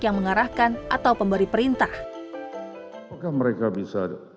yang mengarahkan atau pemberi perintah oke mereka bisa